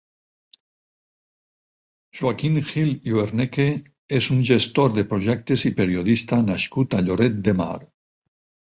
Joaquim Gil i Hoernecke és un gestor de projectes i periodista nascut a Lloret de Mar.